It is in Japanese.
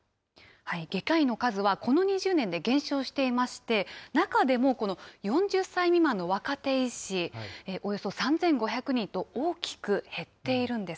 外科医の数はこの２０年で減少していまして、中でもこの４０歳未満の若手医師、およそ３５００人と大きく減っているんです。